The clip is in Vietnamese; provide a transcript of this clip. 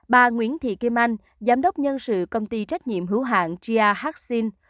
bà nguyễn thị kim anh giám đốc nhân sự công ty trách nhiệm hữu hạng gia hạc sinh